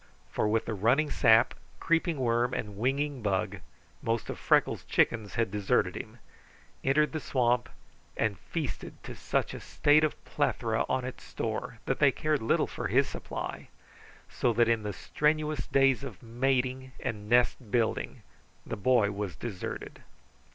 For, with the running sap, creeping worm, and winging bug, most of Freckles' "chickens" had deserted him, entered the swamp, and feasted to such a state of plethora on its store that they cared little for his supply, so that in the strenuous days of mating and nest building the boy was deserted.